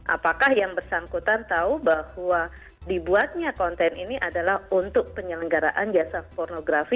apakah yang bersangkutan tahu bahwa dibuatnya konten ini adalah untuk penyelenggaraan jasa pornografi